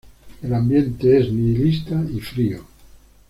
El ambiente es nihilista y frío.